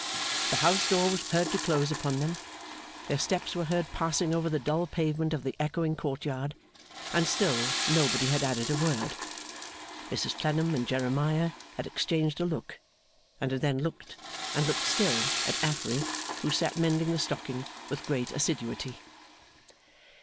The house door was heard to close upon them, their steps were heard passing over the dull pavement of the echoing court yard, and still nobody had added a word. Mrs Clennam and Jeremiah had exchanged a look; and had then looked, and looked still, at Affery, who sat mending the stocking with great assiduity.